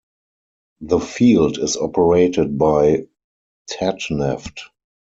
The field is operated by Tatneft.